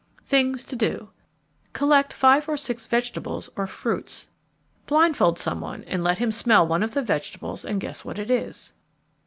THINGS TO DO Collect five or six vegetables or fruits. _Blindfold some one and let him smell of one of the vegetables and guess what it is.